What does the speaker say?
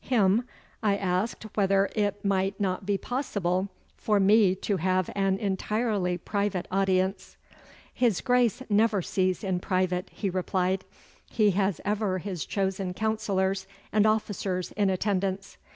Him I asked whether it might not be possible for me to have an entirely private audience. 'His Grace never sees in private,' he replied. 'He has ever his chosen councillors and officers in attendance.